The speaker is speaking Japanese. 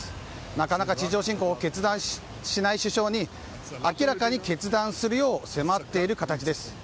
なかなか地上侵攻を決断しない首相に明らかに決断するよう迫っている形です。